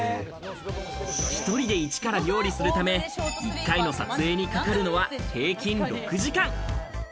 １人でイチから料理するため、１回の撮影にかかるのは平均６時間。